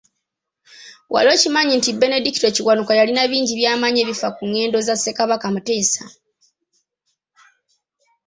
Wali okimanyi nti Benedicto Kiwanuka yalina bingi byamanyi ebifa ku ngendo za Ssekabaka Muteesa